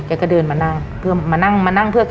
แกก็เดินมานั่งเพื่อมานั่ง